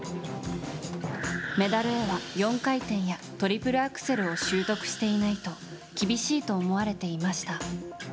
メダルへは４回転やトリプルアクセルを習得していないと厳しいと思われていました。